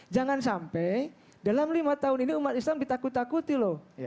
jangan sampai dalam lima tahun ini umat islam ditakut takuti loh